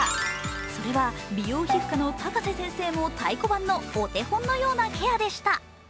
それは、美容皮膚科の高瀬先生も太鼓判のお手本のようなケアでした。